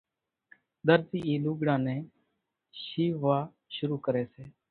ۮرزي اِي لوڳڙان نين شيووا شروع ڪري سي